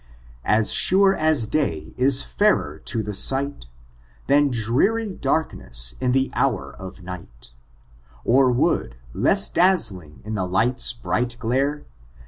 As sure as day is fairer to the sight Than dreary darkness in the hour of night — Or wood, less dazzling in the sun's bright glare.